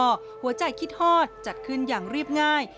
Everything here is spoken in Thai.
หัวใจคิดฮอดจัดขึ้นอย่างเรียบง่าย